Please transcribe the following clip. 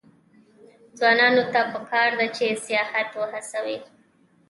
ځوانانو ته پکار ده چې، سیاحت هڅوي.